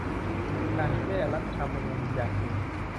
การ แก้รัฐธรรมนูญ อยากเห็น